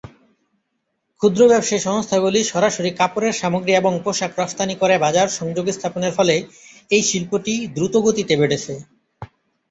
ক্ষুদ্র ব্যবসায়ী সংস্থাগুলি সরাসরি কাপড়ের সামগ্রী এবং পোশাক রফতানি করে বাজার সংযোগ স্থাপনের ফলে এই শিল্পটি দ্রুত গতিতে বেড়েছে।